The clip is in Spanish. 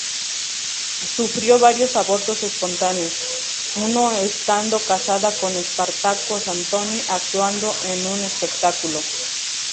Sufrió varios abortos espontáneos, uno estando casada con Espartaco Santoni actuando en un espectáculo.